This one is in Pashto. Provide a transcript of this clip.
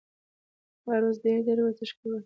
هره ورځ ډېر ډېر ورزش کوه !